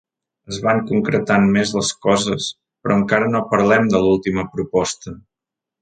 Es van concretant més les coses, però encara no parlem de l’última proposta.